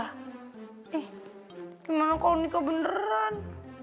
eh emang kalau nikah beneran